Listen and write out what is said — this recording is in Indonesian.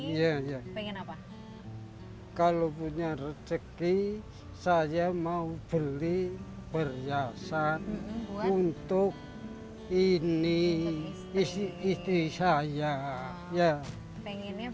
iya pengen apa kalau punya rezeki saya mau beli perhiasan untuk ini isi isi saya ya pengennya